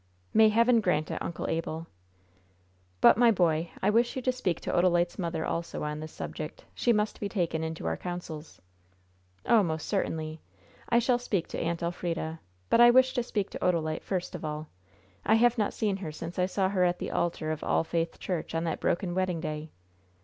"May Heaven grant it, Uncle Abel!" "But, my boy, I wish you to speak to Odalite's mother also on this subject. She must be taken into our counsels." "Oh, most certainly. I shall speak to Aunt Elfrida. But I wish to see Odalite first of all. I have not seen her since I saw her at the altar of All Faith Church on that broken wedding day.